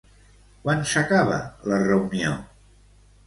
Quan s'acaba la reunió?